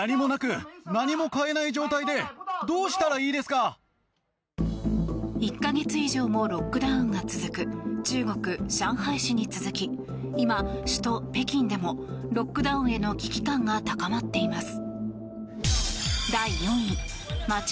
１か月以上もロックダウンが続く中国・上海市に続き今、首都・北京でもロックダウンへの危機感が高まっています。